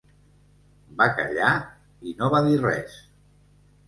Va callar i no va dir res!